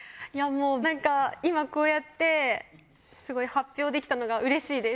なんか今こうやってすごい発表できたのがうれしいです。